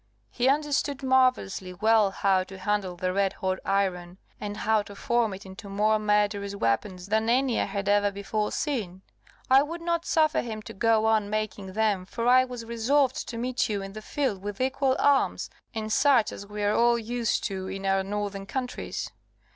He understood marvellously well how to handle the red hot iron, and how to form it into more murderous weapons than any I had ever before seen. I would not suffer him to go on making them, for I was resolved to meet you in the field with equal arms, and such as we are all used to in our northern countries.